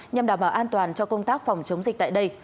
nhằm đảm bảo an toàn cho công tác phòng chống dịch tại đây